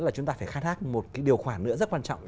là chúng ta phải khai thác một cái điều khoản nữa rất quan trọng